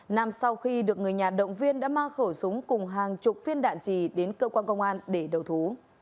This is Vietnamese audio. nam sau khi được người nhà động viên đã mang khẩu súng cùng hàng chục phiên đạn trì đến cơ quan công an để đầu thú